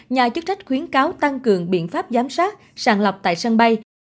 nhà chức trách khuyến cáo tăng cường biện pháp giám sát sàng lọc tại sân bay